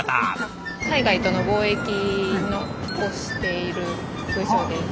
海外との貿易をしている部署です。